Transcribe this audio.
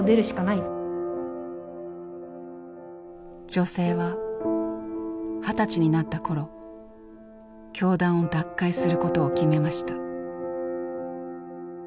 女性は二十歳になった頃教団を脱会することを決めました。